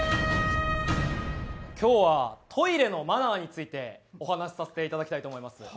今日はトイレのマナーについてお話しさせていただきたいと思います。